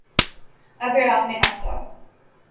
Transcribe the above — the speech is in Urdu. اگر آپ نے اب تک